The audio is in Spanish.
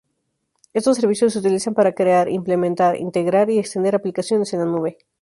Estos servicios se utilizan para crear, implementar, integrar y extender aplicaciones en la nube.